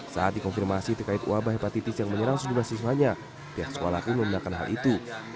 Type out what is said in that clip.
saat dikonfirmasi terkait wabah hepatitis yang menyerang sejumlah siswanya pihak sekolah pun membenakan hal itu